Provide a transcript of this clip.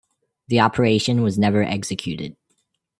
The operation was never executed.